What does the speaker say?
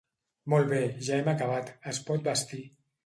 Molt bé, ja hem acabat; es pot vestir.